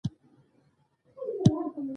يو څه زور مې وکړ.